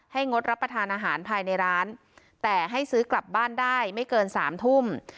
งดรับประทานอาหารภายในร้านแต่ให้ซื้อกลับบ้านได้ไม่เกิน๓ทุ่ม